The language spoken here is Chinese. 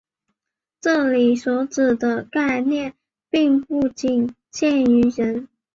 这里所指的概念并不仅限于人。